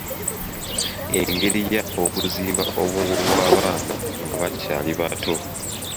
Engeri y’okuzimba obwongo bw'abaana nga bakyali bato.